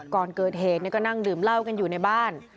ก่อนเกิดเหตุก็นั่งดื่มเหล้ากันอยู่ในบ้าน